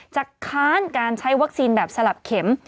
ค้านการใช้วัคซีนแบบสลับเข็ม